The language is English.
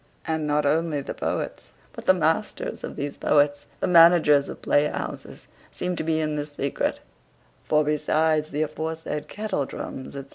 And not only the poets, but the masters of these poets, the managers of playhouses, seem to be in this secret; for, besides the aforesaid kettle drums, &c.